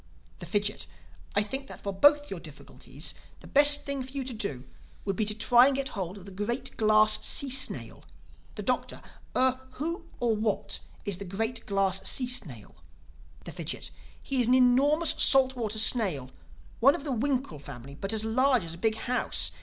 The Fidgit: "I think that for both your difficulties the best thing for you to do would be to try and get hold of the Great Glass Sea Snail." The Doctor: "Er—who, or what, is the Great Glass Sea Snail?" The Fidgit: "He is an enormous salt water snail, one of the winkle family, but as large as a big house.